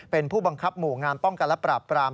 เป็นผู้บังคับหมู่งานป้องการละปรับ